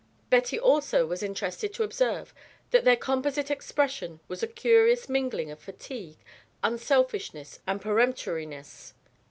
Betty also was interested to observe that their composite expression was a curious mingling of fatigue, unselfishness, and peremptoriness.